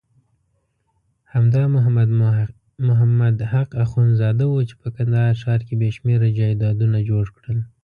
همدا محمد حق اخندزاده وو چې په کندهار ښار کې بېشمېره جایدادونه جوړ کړل.